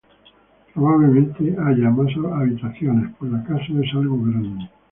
Probablemente haya más habitaciones, pues la casa es algo grande.